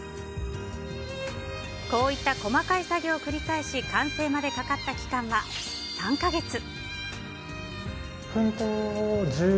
こういった細かい作業を繰り返し完成までかかった期間は、３か月。